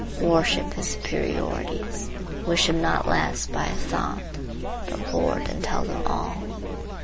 Worship his superiorities; wish him not less by a thought, but hoard and tell them all.